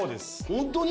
ホントに？